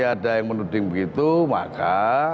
ada yang menurut saya begitu maka